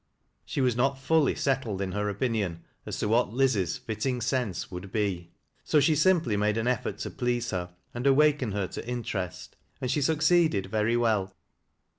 She was not fully settled in her opinion as to what Liz's " fitting sense " would be. So she simply made an effort to please her, and awaken her to interest, and she suc ceeded very well.